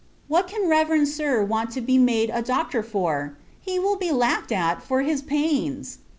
What can Reverend Sir want to be made a Doctor for? He will be laughed at, for his pains!